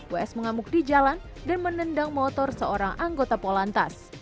ws mengamuk di jalan dan menendang motor seorang anggota polantas